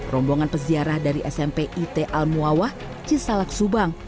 rombongan peziarah dari smp it al muwawah cisalak subang